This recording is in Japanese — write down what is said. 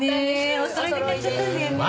お揃いで買っちゃったんだよねえ。